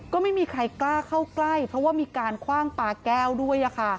ก็ไม่มีใครกล้าเข้าใกล้เพราะว่ามีการคว่างปลาแก้วด้วย